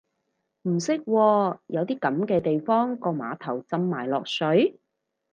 唔識喎，有啲噉嘅地方個碼頭浸埋落水？